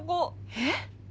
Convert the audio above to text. えっ？